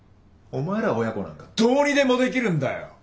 お前ら親子なんかどうにでもできるんだよ。